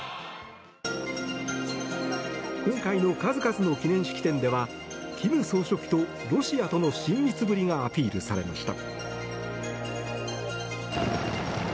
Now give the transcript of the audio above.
今回の数々の記念式典では金総書記とロシアとの親密ぶりがアピールされました。